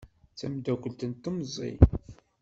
D tameddakelt n temẓi.